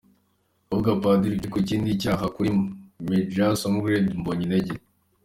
Kuvuga Padiri Vjecko: ikindi cyaha kuri Mgr Smaragde Mbonyintege